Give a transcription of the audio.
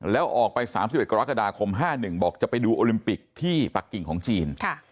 แล้วออกไป๓๑กรกฎาคม๕๑บอกจะไปดูโอลิมปิกที่ปักกิ่งของจีน